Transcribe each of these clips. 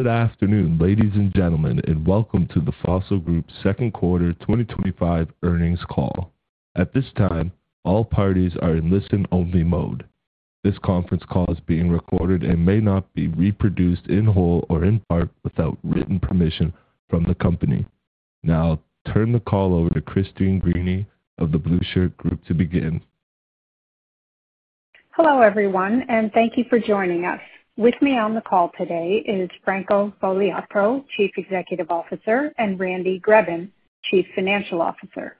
Good afternoon, ladies and gentlemen, and welcome to the Fossil Group's Second Quarter 2025 Earnings Call. At this time, all parties are in listen-only mode. This conference call is being recorded and may not be reproduced in whole or in part without written permission from the company. Now, I'll turn the call over to Christine Greany of The Blueshirt Group to begin. Hello everyone, and thank you for joining us. With me on the call today is Franco Fogliato, Chief Executive Officer, and Randy Greben, Chief Financial Officer.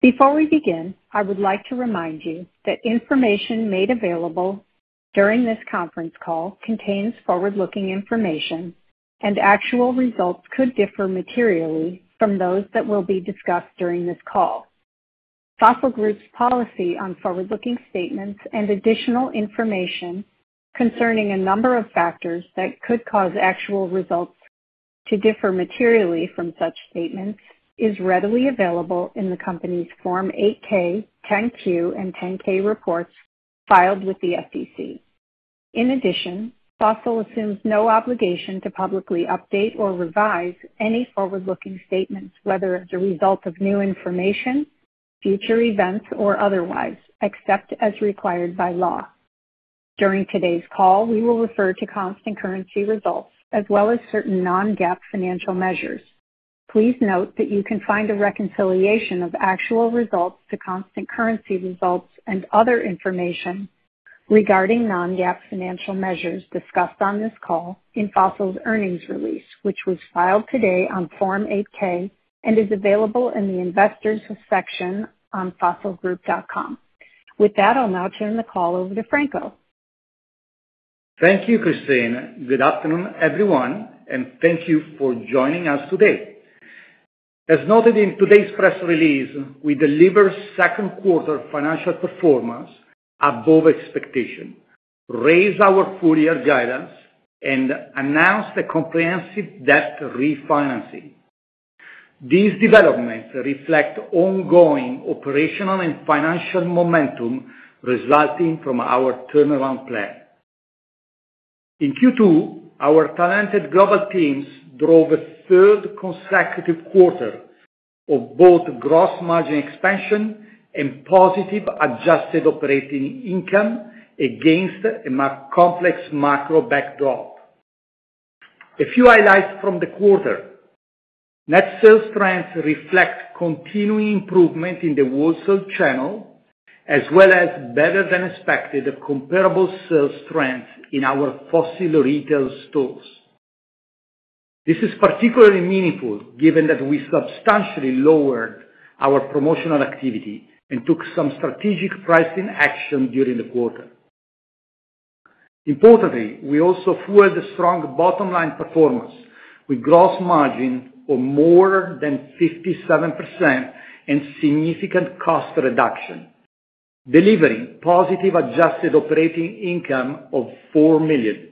Before we begin, I would like to remind you that information made available during this conference call contains forward-looking information, and actual results could differ materially from those that will be discussed during this call. Fossil Group's policy on forward-looking statements and additional information concerning a number of factors that could cause actual results to differ materially from such statements is readily available in the company's Form 8-K, 10-Q, and 10-K reports filed with the SEC. In addition, Fossil assumes no obligation to publicly update or revise any forward-looking statements, whether as a result of new information, future events, or otherwise, except as required by law. During today's call, we will refer to constant currency results, as well as certain non-GAAP financial measures. Please note that you can find a reconciliation of actual results to constant currency results and other information regarding non-GAAP financial measures discussed on this call in Fossil's earnings release, which was filed today on Form 8-K and is available in the Investors' section on fossilgroup.com. With that, I'll now turn the call over to Franco. Thank you, Christine. Good afternoon, everyone, and thank you for joining us today. As noted in today's press release, we delivered second quarter financial performance above expectation, raised our full-year guidance, and announced a comprehensive debt refinancing. These developments reflect ongoing operational and financial momentum resulting from our turnaround plan. In Q2, our talented global team drove a third consecutive quarter of both gross margin expansion and positive adjusted operating income against a complex macro backdrop. A few highlights from the quarter: net sales trends reflect continuing improvement in the wholesale channel, as well as better-than-expected comparable sales trends in our Fossil retail stores. This is particularly meaningful given that we substantially lowered our promotional activity and took some strategic pricing action during the quarter. Importantly, we also fueled a strong bottom-line performance with gross margin of more than 57% and significant cost reduction, delivering positive adjusted operating income of $4 million.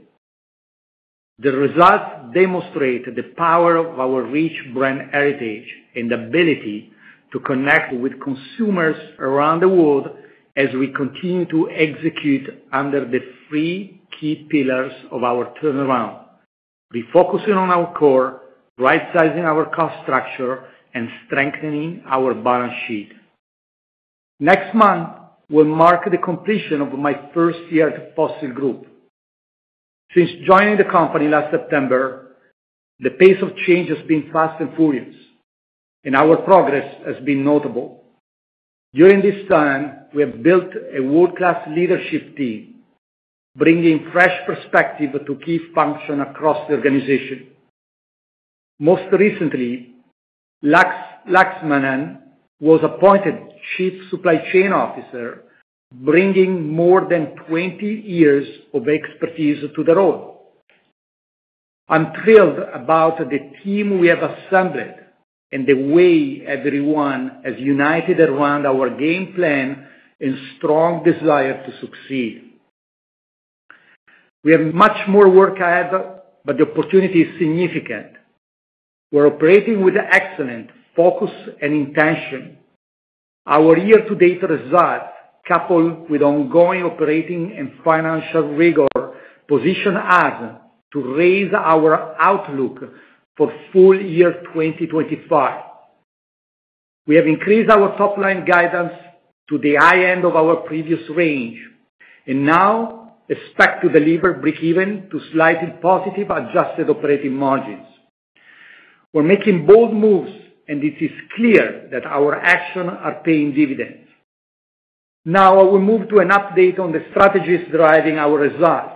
The results demonstrate the power of our rich brand heritage and the ability to connect with consumers around the world as we continue to execute under the three key pillars of our turnaround: refocusing on our core, right-sizing our cost structure, and strengthening our balance sheet. Next month will mark the completion of my first year at Fossil Group. Since joining the company last September, the pace of change has been fast and furious, and our progress has been notable. During this time, we have built a world-class leadership team, bringing fresh perspective to key functions across the organization. Most recently, Lekshmanan was appointed Chief Supply Chain Officer, bringing more than 20 years of expertise to the role. I'm thrilled about the team we have assembled and the way everyone has united around our game plan and strong desire to succeed. We have much more work ahead, but the opportunity is significant. We're operating with excellent focus and intention. Our year-to-date results, coupled with ongoing operating and financial rigor, position us to raise our outlook for full year 2025. We have increased our top-line guidance to the high end of our previous range, and now expect to deliver breakeven to slightly positive adjusted operating margins. We're making bold moves, and it is clear that our actions are paying dividends. Now, I will move to an update on the strategies driving our results.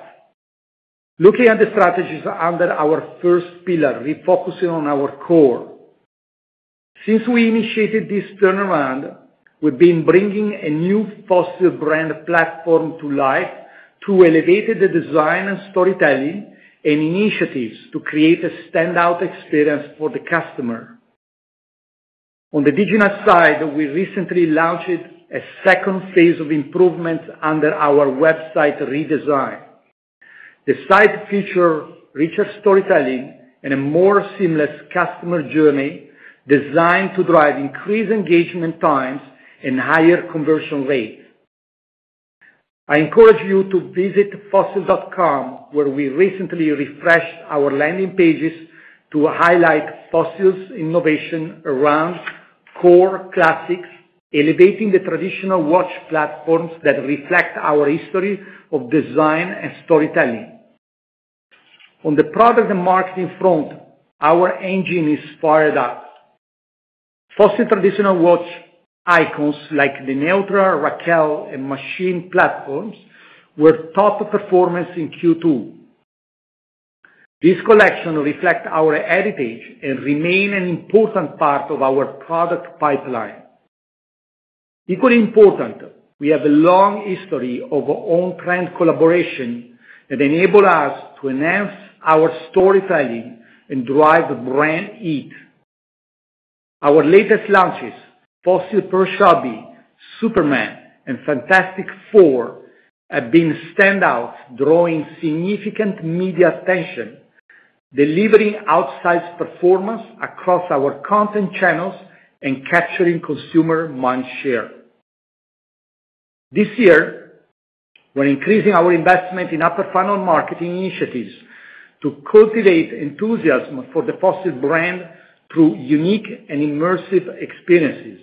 Looking at the strategies under our first pillar, refocusing on our core, since we initiated this turnaround, we've been bringing a new Fossil brand platform to light through elevated design and storytelling and initiatives to create a standout experience for the customer. On the digital side, we recently launched a second phase of improvement under our website redesign. The site features richer storytelling and a more seamless customer journey designed to drive increased engagement times and higher conversion rates. I encourage you to visit fossil.com, where we recently refreshed our landing pages to highlight Fossil's innovation around core classics, elevating the traditional watch platforms that reflect our history of design and storytelling. On the product and marketing front, our engine is fired up. Fossil traditional watch icons like the Neutra, Raquel, and Machine platforms were top performers in Q2. These collections reflect our heritage and remain an important part of our product pipeline. Equally important, we have a long history of on-trend collaboration that enables us to enhance our storytelling and drive brand heat. Our latest launches, Fossil Pursha B, Superman, and Fantastic Four, have been standouts, drawing significant media attention, delivering outsized performance across our content channels, and capturing consumer mindshare. This year, we're increasing our investment in upper funnel marketing initiatives to cultivate enthusiasm for the Fossil brand through unique and immersive experiences.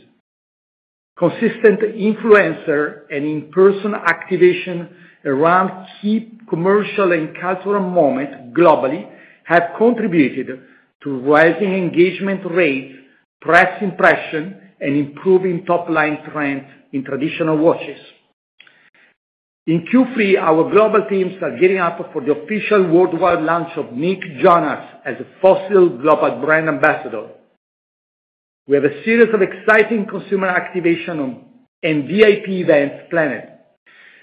Consistent influencer and in-person activation around key commercial and cultural moments globally have contributed to rising engagement rates, press impressions, and improving top-line trends in traditional watches. In Q3, our global team started gearing up for the official worldwide launch of Nick Jonas as a Fossil Global Brand Ambassador. We have a series of exciting consumer activations and VIP events planned,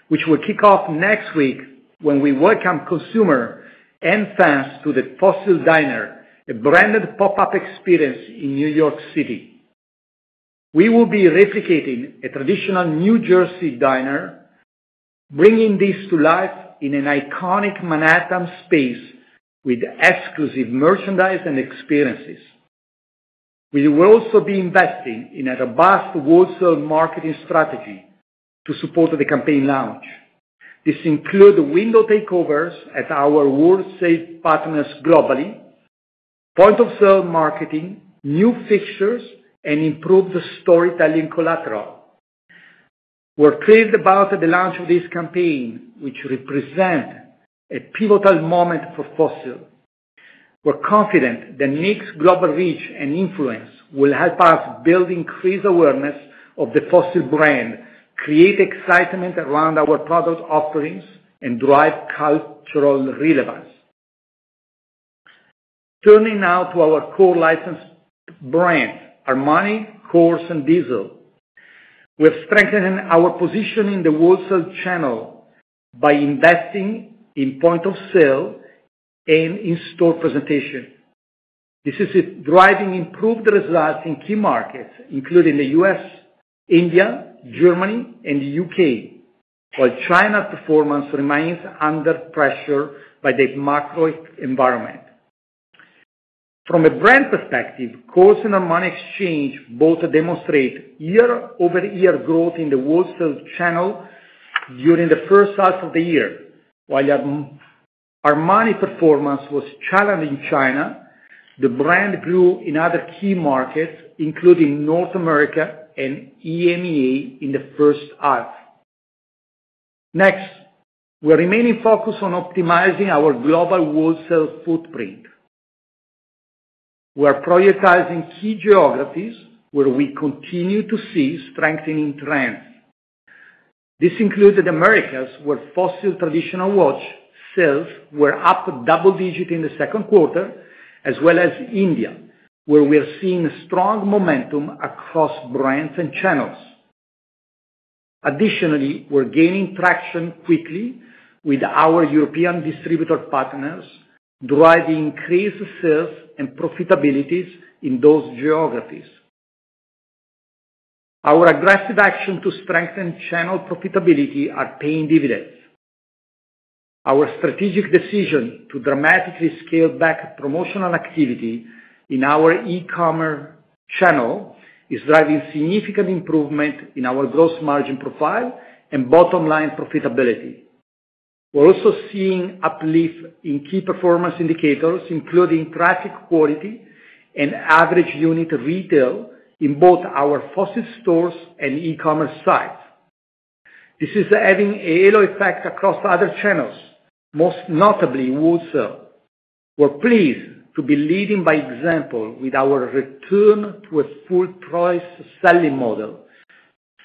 which will kick off next week when we welcome consumers and fans to the Fossil Diner, a branded pop-up experience in New York City. We will be replicating a traditional New Jersey diner, bringing this to life in an iconic Manhattan space with exclusive merchandise and experiences. We will also be investing in a robust wholesale marketing strategy to support the campaign launch. This includes window takeovers at our wholesale partners globally, point-of-sale marketing, new features, and improved storytelling collateral. We're thrilled about the launch of this campaign, which represents a pivotal moment for Fossil. We're confident that Nick's global reach and influence will help us build increased awareness of the Fossil brand, create excitement around our product offerings, and drive cultural relevance. Turning now to our core licensed brands, Armani, Kors, and Diesel, we have strengthened our position in the wholesale channel by investing in point-of-sale and in-store presentation. This is driving improved results in key markets, including the U.S., India, Germany, and the U.K., while China's performance remains under pressure by the macro environment. From a brand perspective, Kors and Armani Exchange both demonstrate year-over-year growth in the wholesale channel during the first half of the year. While Armani's performance was challenging in China, the brand grew in other key markets, including North America and EMEA in the first half. Next, we're remaining focused on optimizing our global wholesale footprint. We're prioritizing key geographies where we continue to see strengthening trends. This includes the Americas, where Fossil traditional watch sales were up double digits in the second quarter, as well as India, where we're seeing strong momentum across brands and channels. Additionally, we're gaining traction quickly with our European distributor partners, driving increased sales and profitability in those geographies. Our aggressive actions to strengthen channel profitability are paying dividends. Our strategic decision to dramatically scale back promotional activity in our e-commerce channel is driving significant improvement in our gross margin profile and bottom-line profitability. We're also seeing uplift in key performance indicators, including traffic quality and average unit retail in both our Fossil stores and e-commerce sites. This is having a halo effect across other channels, most notably in wholesale. We're pleased to be leading by example with our return to a full-price selling model,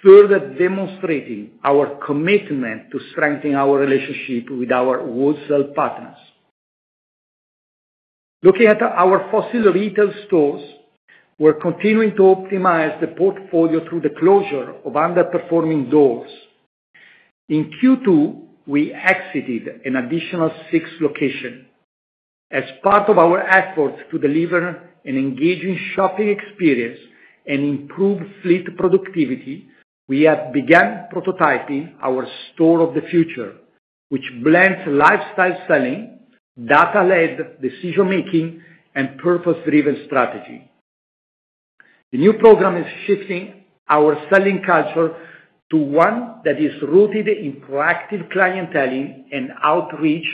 further demonstrating our commitment to strengthening our relationship with our wholesale partners. Looking at our Fossil retail stores, we're continuing to optimize the portfolio through the closure of underperforming doors. In Q2, we exited an additional six locations. As part of our efforts to deliver an engaging shopping experience and improve fleet productivity, we have begun prototyping our store of the future, which blends lifestyle selling, data-led decision-making, and purpose-driven strategy. The new program is shifting our selling culture to one that is rooted in proactive clienteling and outreach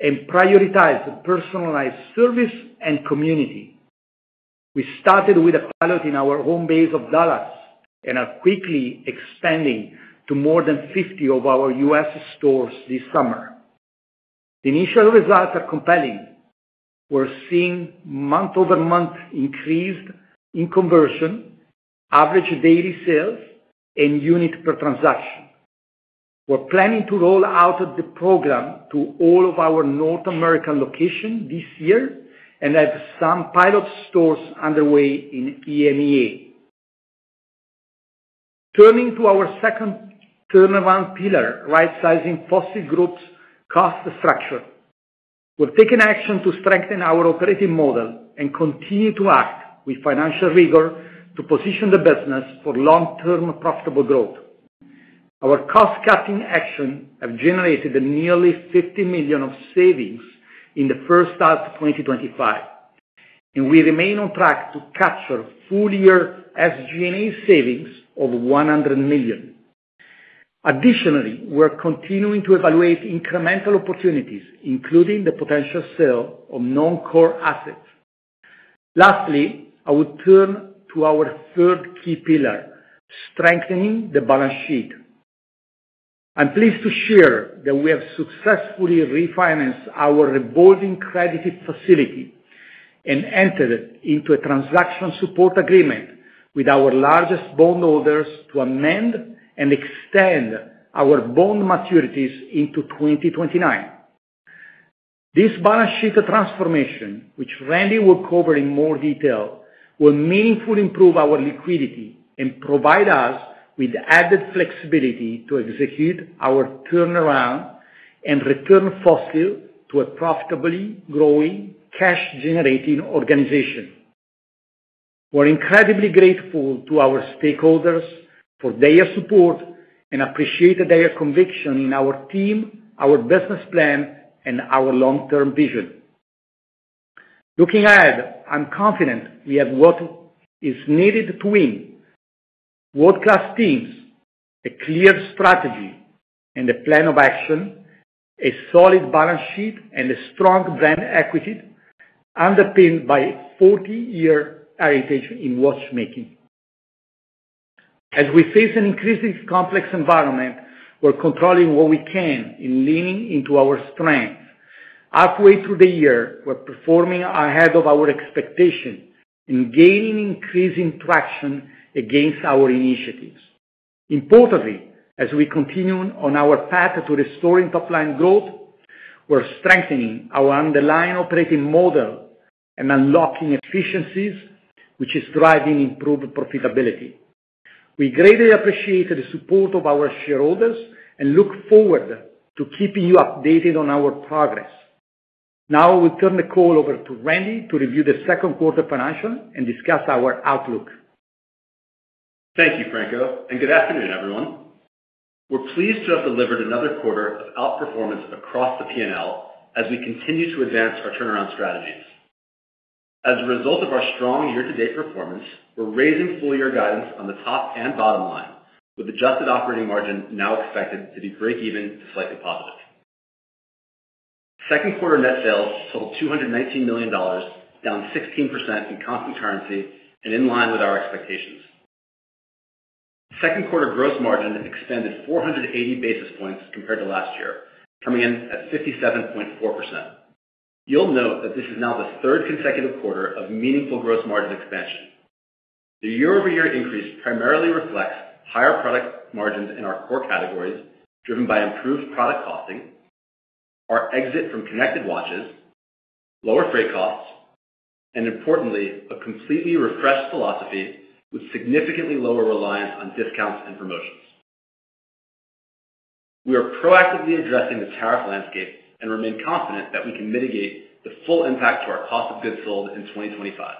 and prioritizes personalized service and community. We started with a pilot in our home base of Dallas and are quickly expanding to more than 50 of our U.S. stores this summer. The initial results are compelling. We're seeing month-over-month increase in conversion, average daily sales, and units per transaction. We're planning to roll out the program to all of our North American locations this year and have some pilot stores underway in EMEA. Turning to our second turnaround pillar, right-sizing Fossil Group's cost structure, we've taken action to strengthen our operating model and continue to act with financial rigor to position the business for long-term profitable growth. Our cost-cutting actions have generated nearly $50 million of savings in the first half of 2025, and we remain on track to capture full-year SG&A savings of $100 million. Additionally, we're continuing to evaluate incremental opportunities, including the potential sale of non-core assets. Lastly, I will turn to our third key pillar, strengthening the balance sheet. I'm pleased to share that we have successfully refinanced our revolving credit facility and entered into a transaction support agreement with our largest bondholders to amend and extend our bond maturities into 2029. This balance sheet transformation, which Randy will cover in more detail, will meaningfully improve our liquidity and provide us with added flexibility to execute our turnaround and return Fossil Group to a profitably growing, cash-generating organization. We're incredibly grateful to our stakeholders for their support and appreciate their conviction in our team, our business plan, and our long-term vision. Looking ahead, I'm confident we have what is needed to win: world-class teams, a clear strategy and a plan of action, a solid balance sheet, and a strong brand equity underpinned by a 40-year heritage in watchmaking. As we face an increasingly complex environment, we're controlling what we can and leaning into our strengths. Halfway through the year, we're performing ahead of our expectations and gaining increasing traction against our initiatives. Importantly, as we continue on our path to restoring top-line growth, we're strengthening our underlying operating model and unlocking efficiencies, which is driving improved profitability. We greatly appreciate the support of our shareholders and look forward to keeping you updated on our progress. Now, I will turn the call over to Randy to review the second quarter financials and discuss our outlook. Thank you, Franco, and good afternoon, everyone. We're pleased to have delivered another quarter of outperformance across the P&L as we continue to advance our turnaround strategies. As a result of our strong year-to-date performance, we're raising full-year guidance on the top and bottom line, with adjusted operating margin now expected to be breakeven to slightly positive. Second quarter net sales total $219 million, down 16% in constant currency and in line with our expectations. Second quarter gross margin expanded 480 basis points compared to last year, coming in at 57.4%. You'll note that this is now the third consecutive quarter of meaningful gross margin expansion. The year-over-year increase primarily reflects higher product margins in our core categories, driven by improved product costing, our exit from connected watches, lower freight costs, and importantly, a completely refreshed philosophy with significantly lower reliance on discounts and promotions. We are proactively addressing the tariff landscape and remain confident that we can mitigate the full impact to our cost of goods sold in 2025.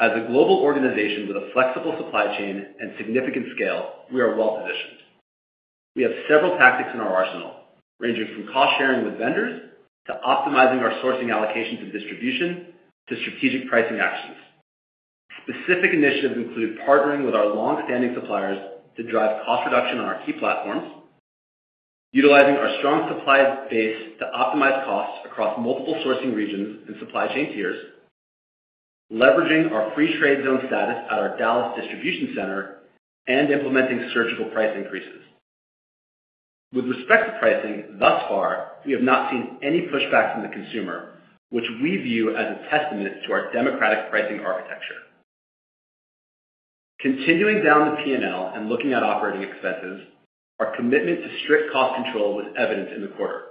As a global organization with a flexible supply chain and significant scale, we are well positioned. We have several tactics in our arsenal, ranging from cost-sharing with vendors to optimizing our sourcing allocations and distribution to strategic pricing actions. Specific initiatives include partnering with our longstanding suppliers to drive cost reduction on our key platforms, utilizing our strong supply base to optimize costs across multiple sourcing regions and supply chain tiers, leveraging our free trade zone status at our Dallas distribution center, and implementing surgical price increases. With respect to pricing thus far, we have not seen any pushback from the consumer, which we view as a testament to our democratic pricing architecture. Continuing down the P&L and looking at operating expenses, our commitment to strict cost control was evident in the quarter.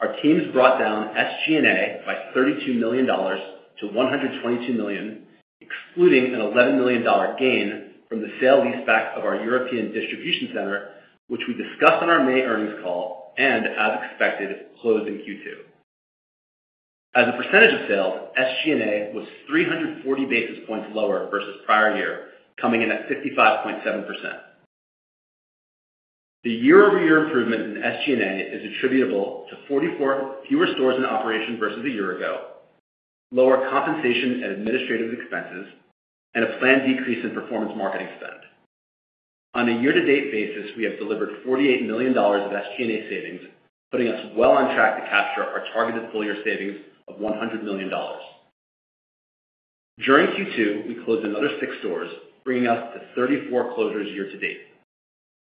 Our teams brought down SG&A by $32 million to $122 million, excluding an $11 million gain from the sale leaseback of our European distribution center, which we discussed on our May earnings call and, as expected, closed in Q2. As a percentage of sales, SG&A was 340 basis points lower versus prior year, coming in at 55.7%. The year-over-year improvement in SG&A is attributable to 44 fewer stores in operation versus a year ago, lower compensation and administrative expenses, and a planned decrease in performance marketing spend. On a year-to-date basis, we have delivered $48 million of SG&A savings, putting us well on track to capture our targeted full-year savings of $100 million. During Q2, we closed another six stores, bringing us to 34 closures year to date.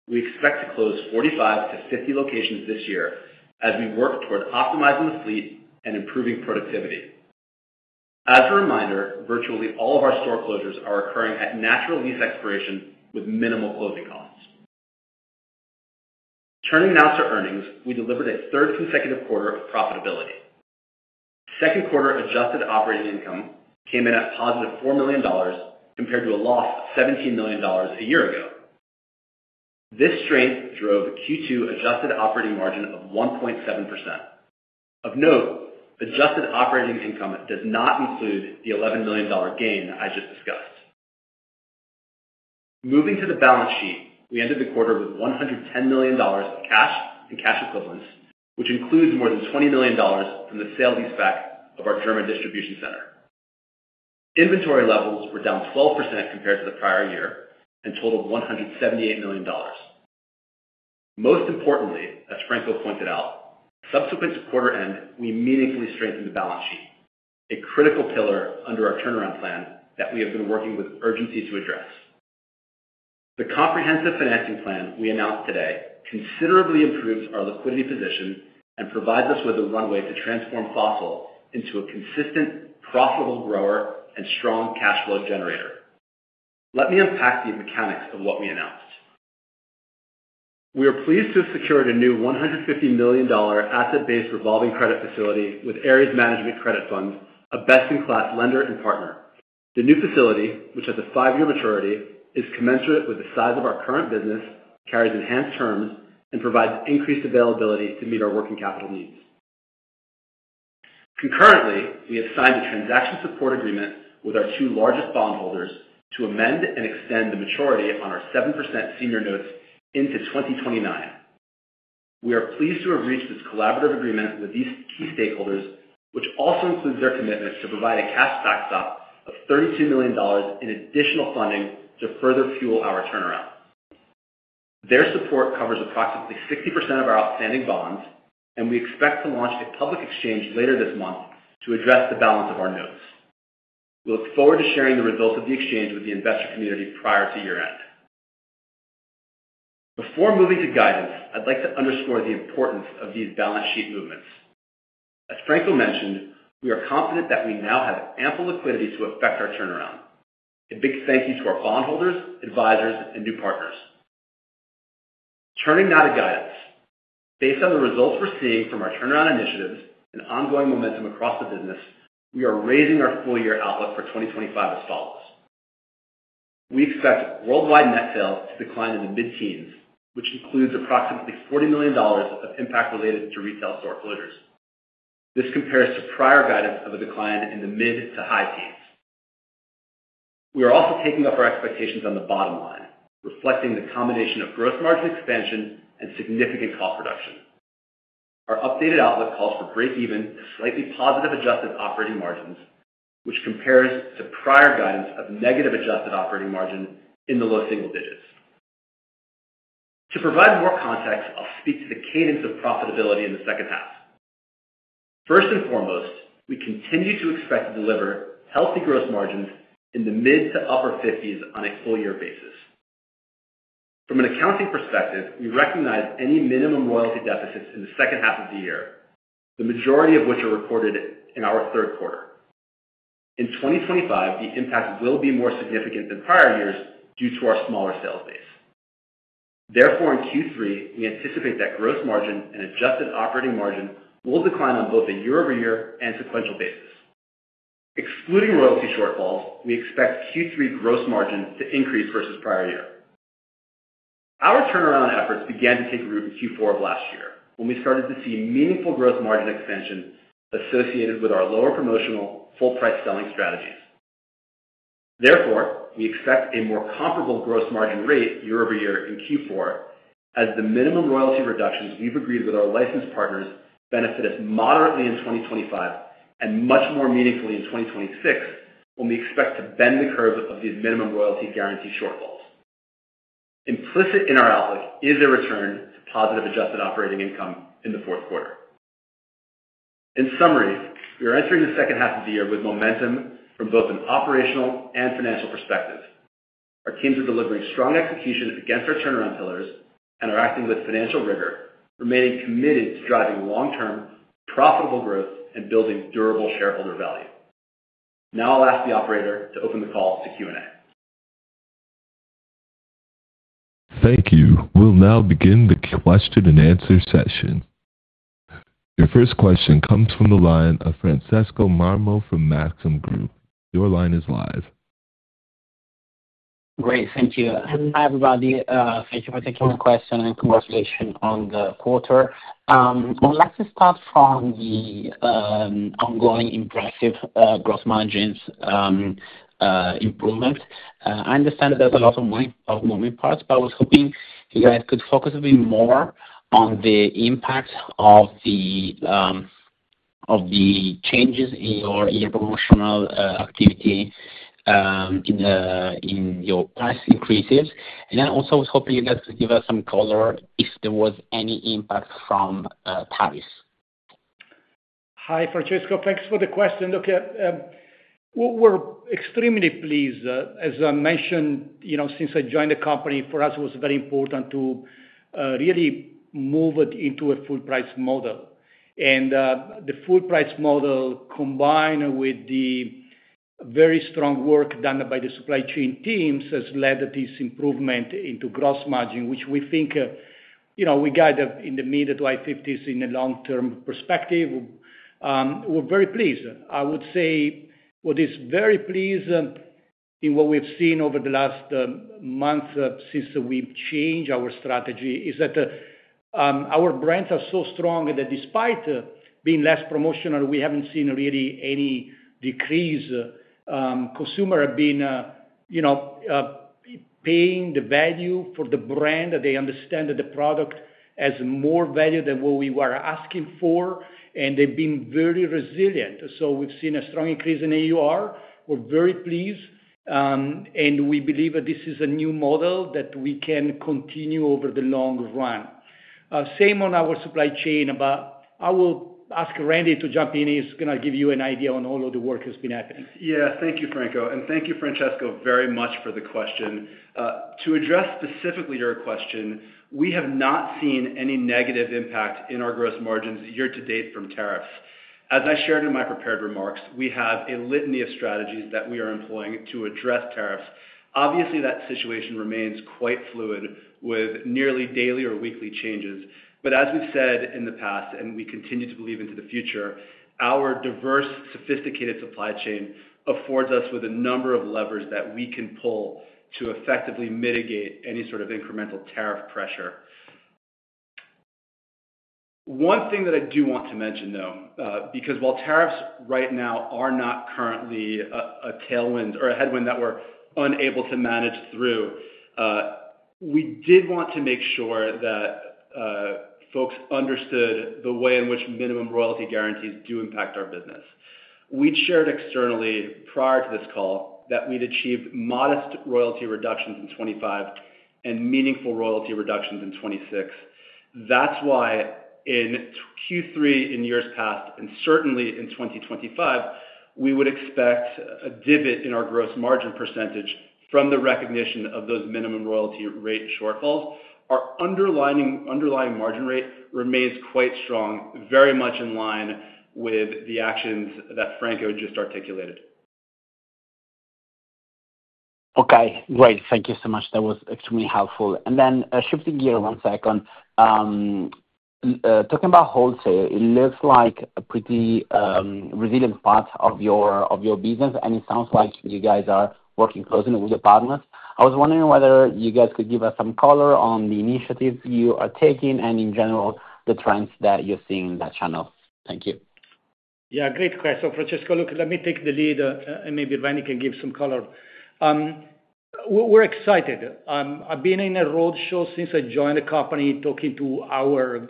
We expect to close 45-50 locations this year as we work toward optimizing the fleet and improving productivity. As a reminder, virtually all of our store closures are occurring at natural lease expiration with minimal closing costs. Turning now to earnings, we delivered a third consecutive quarter of profitability. Second quarter adjusted operating income came in at a positive $4 million compared to a loss of $17 million a year ago. This strength drove Q2 adjusted operating margin of 1.7%. Of note, adjusted operating income does not include the $11 million gain I just discussed. Moving to the balance sheet, we ended the quarter with $110 million cash and cash equivalents, which includes more than $20 million from the sale leaseback of our German distribution center. Inventory levels were down 12% compared to the prior year and totaled $178 million. Most importantly, as Franco pointed out, subsequent to quarter end, we meaningfully strengthened the balance sheet, a critical pillar under our turnaround plan that we have been working with urgency to address. The comprehensive financing plan we announced today considerably improves our liquidity position and provides us with a runway to transform Fossil into a consistent, profitable grower and strong cash flow generator. Let me unpack the mechanics of what we announced. We are pleased to have secured a new $150 million asset-based revolving credit facility with Ares Management Credit Funds, a best-in-class lender and partner. The new facility, which has a five-year maturity, is commensurate with the size of our current business, carries enhanced terms, and provides increased availability to meet our working capital needs. Concurrently, we have signed a transaction support agreement with our two largest bond holders to amend and extend the maturity on our 7% senior notes into 2029. We are pleased to have reached this collaborative agreement with these key stakeholders, which also includes their commitment to provide a cash backstop of $32 million in additional funding to further fuel our turnaround. Their support covers approximately 60% of our outstanding bonds, and we expect to launch a public exchange later this month to address the balance of our notes. We look forward to sharing the results of the exchange with the investor community prior to year end. Before moving to guidance, I'd like to underscore the importance of these balance sheet movements. As Franco mentioned, we are confident that we now have ample liquidity to effect our turnaround. A big thank you to our bond holders, advisors, and new partners. Turning now to guidance. Based on the results we're seeing from our turnaround initiatives and ongoing momentum across the business, we are raising our full-year outlook for 2025 as follows. We expect worldwide net sales to decline in the mid-teens, which includes approximately $40 million of impact related to retail store closures. This compares to prior guidance of a decline in the mid to high teens. We are also taking up our expectations on the bottom line, reflecting the combination of gross margin expansion and significant cost reduction. Our updated outlook calls for breakeven to slightly positive adjusted operating margins, which compares to prior guidance of negative adjusted operating margin in the low single digits. To provide more context, I'll speak to the cadence of profitability in the second half. First and foremost, we continue to expect to deliver healthy gross margins in the mid to upper 50% on a full-year basis. From an accounting perspective, we recognize any minimum royalty deficits in the second half of the year, the majority of which are recorded in our third quarter. In 2025, the impact will be more significant than prior years due to our smaller sales base. Therefore, in Q3, we anticipate that gross margin and adjusted operating margin will decline on both a year-over-year and sequential basis. Excluding royalty shortfalls, we expect Q3 gross margins to increase versus prior year. Our turnaround efforts began to take root in Q4 of last year, when we started to see meaningful gross margin extension associated with our lower promotional full-price selling strategy. Therefore, we expect a more comparable gross margin rate year-over-year in Q4, as the minimum royalty reductions we've agreed with our licensed partners benefit us moderately in 2025 and much more meaningfully in 2026, when we expect to bend the curve of these minimum royalty guarantee shortfalls. Implicit in our outlook is a return to positive adjusted operating income in the fourth quarter. In summary, we are entering the second half of the year with momentum from both an operational and financial perspective. Our teams are delivering strong execution against our turnaround pillars and are acting with financial rigor, remaining committed to driving long-term profitable growth and building durable shareholder value. Now I'll ask the operator to open the call to Q&A. Thank you. We'll now begin the question and answer session. Your first question comes from the line of Francesco Marmo from Maxim Group. Your line is live. Great, thank you. Hi everybody. Thank you for taking the question and congratulations on the quarter. Let's start from the ongoing impressive gross margins improvement. I understand that there's a lot of moving parts, but I was hoping you guys could focus a bit more on the impact of the changes in your promotional activity in your price increases. I also was hoping you guys could give us some color if there was any impact from [Paris]. Hi, Francesco. Thanks for the question. We're extremely pleased. As I mentioned, since I joined the company, for us, it was very important to really move it into a full-price model. The full-price model, combined with the very strong work done by the supply chain teams, has led to this improvement in gross margin, which we think, we guide in the mid to high 50% in a long-term perspective. We're very pleased. I would say what is very pleasing in what we've seen over the last month since we've changed our strategy is that our brands are so strong that despite being less promotional, we haven't seen really any decrease. Consumers have been paying the value for the brand. They understand that the product has more value than what we were asking for, and they've been very resilient. We've seen a strong increase in AUR. We're very pleased, and we believe that this is a new model that we can continue over the long run. Same on our supply chain, but I will ask Randy to jump in. He's going to give you an idea on all of the work that's been happening. Yeah, thank you, Franco, and thank you, Francesco, very much for the question. To address specifically your question, we have not seen any negative impact in our gross margins year to date from tariffs. As I shared in my prepared remarks, we have a litany of strategies that we are employing to address tariffs. Obviously, that situation remains quite fluid with nearly daily or weekly changes. As we've said in the past, and we continue to believe into the future, our diverse, sophisticated supply chain affords us with a number of levers that we can pull to effectively mitigate any sort of incremental tariff pressure. One thing that I do want to mention, though, because while tariffs right now are not currently a tailwind or a headwind that we're unable to manage through, we did want to make sure that folks understood the way in which minimum royalty guarantees do impact our business. We'd shared externally prior to this call that we'd achieved modest royalty reductions in 2025 and meaningful royalty reductions in 2026. That's why in Q3 in years past, and certainly in 2025, we would expect a dividend in our gross margin percentage from the recognition of those minimum royalty rate shortfalls. Our underlying margin rate remains quite strong, very much in line with the actions that Franco just articulated. Okay, great. Thank you so much. That was extremely helpful. Shifting gears one second, talking about wholesale, it looks like a pretty resilient part of your business, and it sounds like you guys are working closely with your partners. I was wondering whether you guys could give us some color on the initiatives you are taking and in general the trends that you're seeing in that channel. Thank you. Yeah, great question, Francesco. Look, let me take the lead and maybe Randy can give some color. We're excited. I've been in a roadshow since I joined the company, talking to our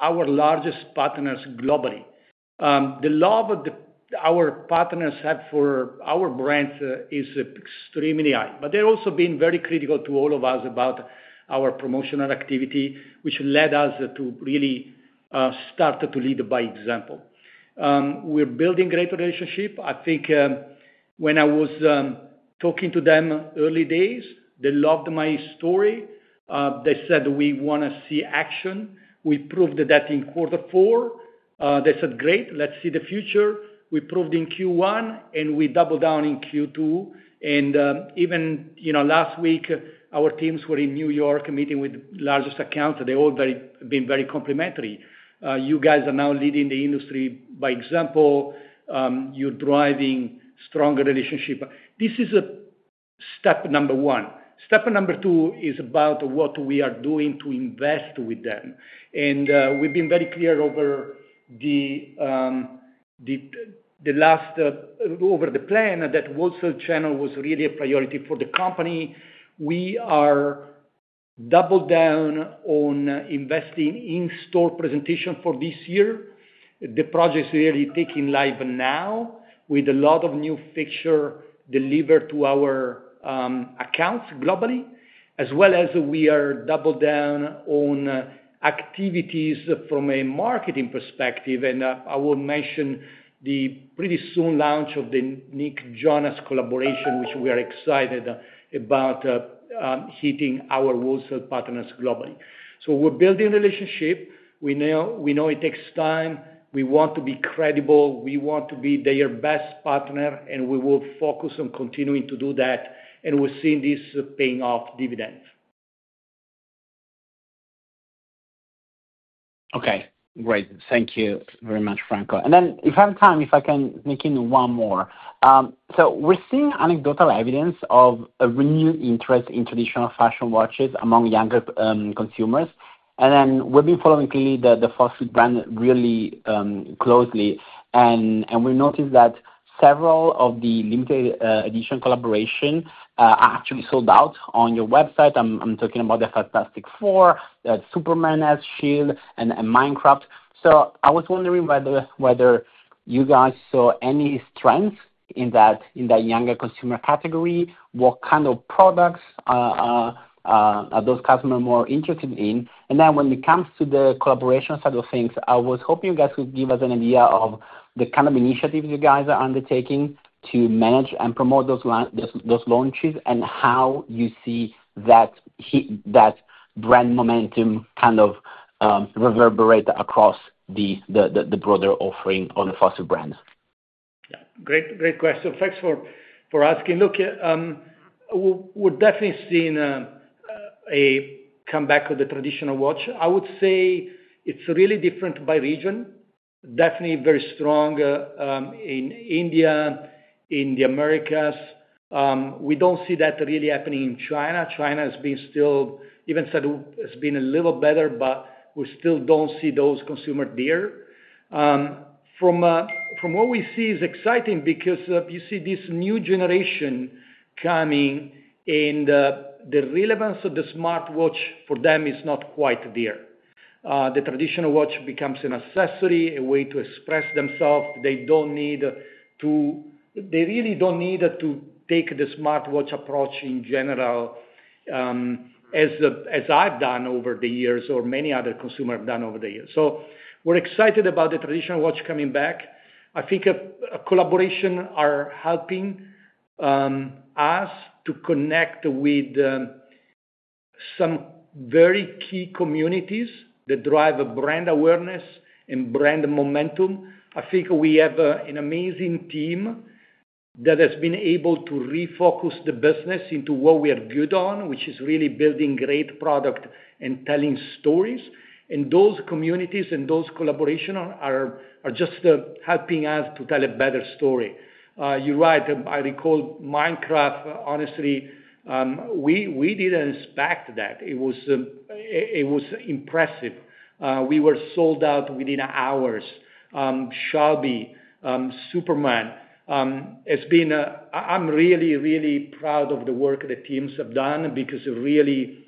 largest partners globally. The love that our partners have for our brands is extremely high, but they're also being very critical to all of us about our promotional activity, which led us to really start to lead by example. We're building a great relationship. I think when I was talking to them early days, they loved my story. They said, "We want to see action." We proved that in quarter four. They said, "Great, let's see the future." We proved in Q1, we doubled down in Q2. Even last week, our teams were in New York meeting with the largest accounts. They've all been very complimentary. You guys are now leading the industry by example. You're driving a stronger relationship. This is step number one. Step number two is about what we are doing to invest with them. We've been very clear over the plan that the wholesale channel was really a priority for the company. We are doubled down on investing in store presentation for this year. The project is really taking live now with a lot of new features delivered to our accounts globally, as well as we are doubled down on activities from a marketing perspective. I will mention the pretty soon launch of the Nick Jonas collaboration, which we are excited about hitting our wholesale partners globally. We're building a relationship. We know it takes time. We want to be credible. We want to be their best partner, and we will focus on continuing to do that. We're seeing this paying off dividends. Okay, great. Thank you very much, Franco. If I have time, if I can make it one more. We're seeing anecdotal evidence of a renewed interest in traditional fashion watches among younger consumers. We've been following clearly the Fossil brand really closely, and we noticed that several of the limited edition collaborations are actually sold out on your website. I'm talking about the Fantastic Four, Superman as Shield, and Minecraft. I was wondering whether you guys saw any strength in that younger consumer category. What kind of products are those customers more interested in? When it comes to the collaboration side of things, I was hoping you guys could give us an idea of the kind of initiatives you guys are undertaking to manage and promote those launches and how you see that brand momentum kind of reverberate across the broader offering of the Fossil brand. Yeah, great question. Thanks for asking. Look, we're definitely seeing a comeback of the traditional watch. I would say it's really different by region. Definitely very strong in India, in the Americas. We don't see that really happening in China. China has been still, even Saudi, has been a little better, but we still don't see those consumers there. From what we see, it's exciting because you see this new generation coming, and the relevance of the smartwatch for them is not quite there. The traditional watch becomes an accessory, a way to express themselves. They don't need to, they really don't need to take the smartwatch approach in general, as I've done over the years, or many other consumers have done over the years. We're excited about the traditional watch coming back. I think collaborations are helping us to connect with some very key communities that drive brand awareness and brand momentum. I think we have an amazing team that has been able to refocus the business into what we are good on, which is really building great products and telling stories. Those communities and those collaborations are just helping us to tell a better story. You're right. I recall Minecraft. Honestly, we didn't expect that. It was impressive. We were sold out within hours. Shelby, Superman. I'm really, really proud of the work the teams have done because it really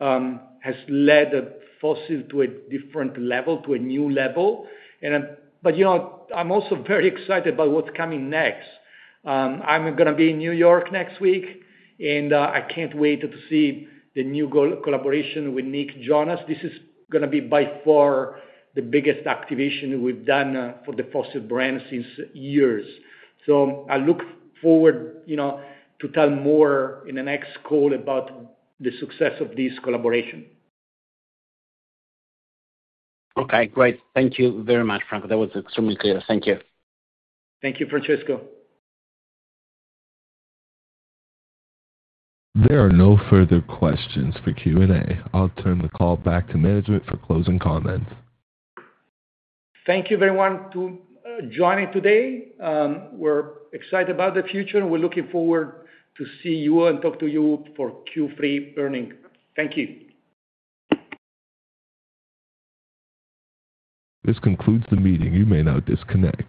has led Fossil to a different level, to a new level. You know, I'm also very excited about what's coming next. I'm going to be in New York City next week, and I can't wait to see the new collaboration with Nick Jonas. This is going to be by far the biggest activation we've done for the Fossil brand since years. I look forward, you know, to tell more in the next call about the success of this collaboration. Okay, great. Thank you very much, Franco. That was extremely clear. Thank you. Thank you, Franesco. There are no further questions for Q&A. I'll turn the call back to management for closing comments. Thank you, everyone, for joining today. We're excited about the future, and we're looking forward to seeing you all and talking to you for Q3 earnings. Thank you. This concludes the meeting. You may now disconnect.